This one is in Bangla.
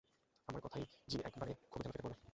আমার কথায় জি একেবারে ক্ষোভে যেন ফেটে পড়লেন।